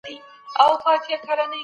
قانون د زورواکۍ مخه نیسي.